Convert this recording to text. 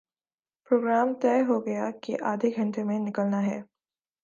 programme طے ہو گیا کہ آدھےگھنٹے میں نکلنا ہے